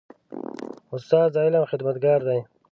استاد د علم خدمتګار دی.